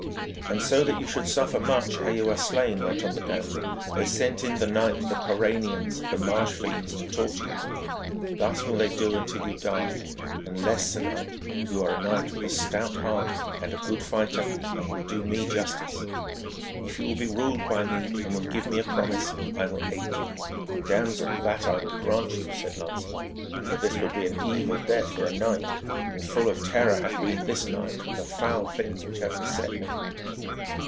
'And so that you should suffer much ere you are slain,' went on the damsel, 'they sent in the night the Coranians, the marsh fiends, to torture you. Thus will they do until you die, unless, sir knight, you are a knight with a stout heart, and a good fighter, and will do me justice. If you will be ruled by me, and will give me a promise, I will aid you.' 'Damsel, that will I grant you,' said Lancelot, 'for this would be an evil death for a knight. And full of terror hath been this night, from the foul things which have beset me.'